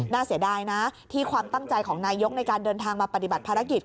เสียดายนะที่ความตั้งใจของนายกในการเดินทางมาปฏิบัติภารกิจ